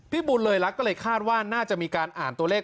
บุญเลยรักก็เลยคาดว่าน่าจะมีการอ่านตัวเลข